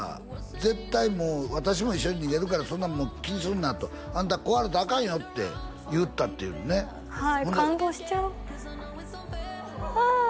「絶対私も一緒に逃げるからそんな気にすんな」と「あんた壊れたらアカンよ」って言ったっていうねはい感動しちゃうあ！